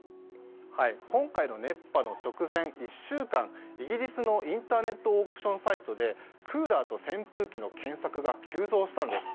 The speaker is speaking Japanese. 今回の熱波の直前１週間イギリスのインターネットオークションサイトでクーラーと扇風機の検索が急増したんです。